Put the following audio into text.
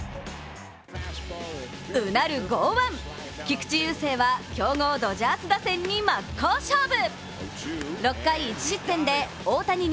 うなる剛腕、菊池雄星は強豪ドジャース打線に真っ向勝負。